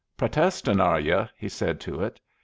"Protestin', are you?" he said to it.